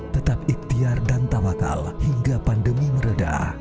tetap ikhtiar dan tamakal hingga pandemi meredah